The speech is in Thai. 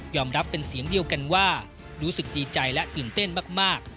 รับเป็นเสียงเดียวกันว่ารู้สึกดีใจและตื่นเต้นมาก